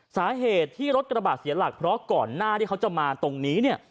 สาเหตุที่รถกระบาดเสียหลักเพราะก่อนหน้าที่เขาจะมาตรงนี้เนี่ย